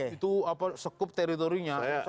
itu sekup teritorinya